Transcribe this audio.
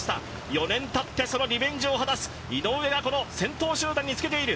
４年たってそのリベンジを果たす井上がこの先頭集団につけている。